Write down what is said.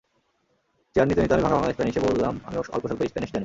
Chair নিতে নিতে আমি ভাঙা ভাঙা স্প্যানিশে বললাম, আমি অল্পস্বল্প স্প্যানিশ জানি।